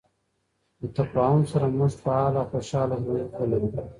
د تفاهم سره، موږ فعال او خوشحاله ژوند ولرو.